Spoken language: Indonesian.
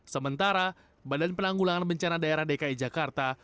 sementara badan penanggulangan bencana daerah dki jakarta